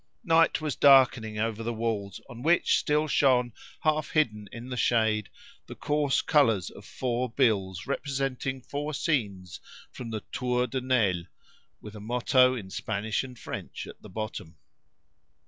Night was darkening over the walls, on which still shone, half hidden in the shade, the coarse colours of four bills representing four scenes from the "Tour de Nesle," with a motto in Spanish and French at the bottom.